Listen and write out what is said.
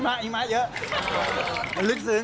ยังมาเยอะลึกซึ้ง